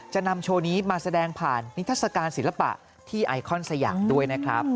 จะนำโชว์นี้มาแสดงผ่านนิทัศกาลศิลปะที่ไอคอนสยามด้วยนะครับ